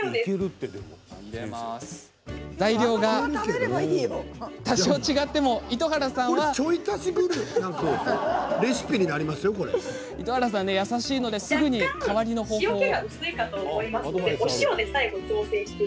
材料が多少違っていても糸原さんは糸原さんは優しいのですぐに代わりの方法を。